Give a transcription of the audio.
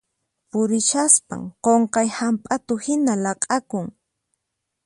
Purishaspan qunqay hamp'atu hina laq'akun.